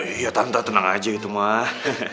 iya tante tenang aja gitu mah